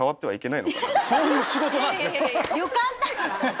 はい。